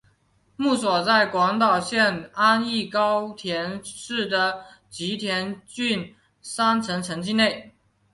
墓所在广岛县安艺高田市的吉田郡山城城迹内。